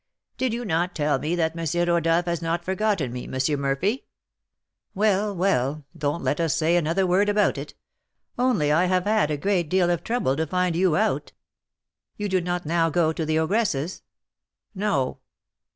"Did you not tell me that M. Rodolph has not forgotten me, M. Murphy?" "Well, well, don't let us say another word about it; only I have had a great deal of trouble to find you out. You do not now go to the ogress's?" "No."